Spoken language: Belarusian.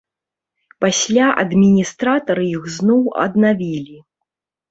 Пасля адміністратары іх зноў аднавілі.